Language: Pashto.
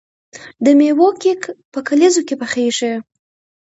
د میوو کیک په کلیزو کې پخیږي.